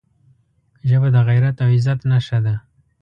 ژبه د غیرت او عزت نښه ده